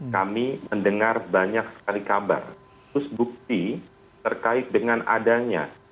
kami mendengar banyak sekali kabar terus bukti terkait dengan adanya